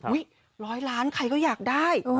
อุ๊ย๑๐๐ล้านใครก็อยากได้